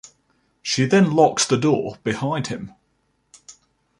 She then locks the door behind him.